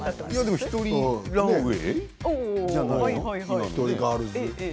１人ランウエー。